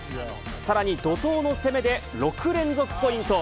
さらに怒とうの攻めで６連続ポイント。